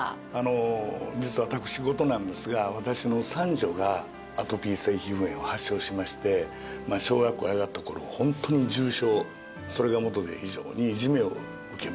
実は私事なんですが私の三女がアトピー性皮膚炎を発症しまして小学校へ上がった頃本当に重症それが元で非常にいじめを受けました。